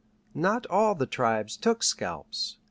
Not all the tribes took scalps.